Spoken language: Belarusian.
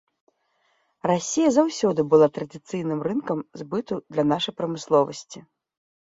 Расія заўсёды была традыцыйным рынкам збыту для нашай прамысловасці.